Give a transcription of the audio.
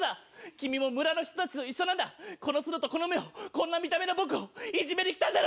君も村の人たちと一緒なんだ、この角とこの目を、こんな見た目の僕をいじめに来たんだろ。